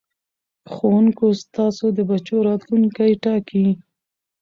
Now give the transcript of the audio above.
ښوونکو ستاسو د بچو راتلوونکی ټاکي.